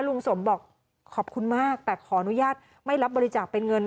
ลุงสมบอกขอบคุณมากแต่ขออนุญาตไม่รับบริจาคเป็นเงิน